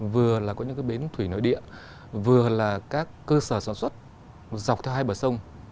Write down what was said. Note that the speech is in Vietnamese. vừa là có những cái bến thủy nội địa vừa là các cơ sở sản xuất dọc theo hai bờ sông